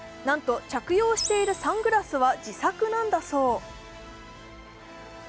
なんと着用しているサングラスは自作なんだそう。